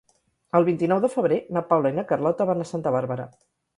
El vint-i-nou de febrer na Paula i na Carlota van a Santa Bàrbara.